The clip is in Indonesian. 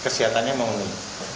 kesehatannya mau ini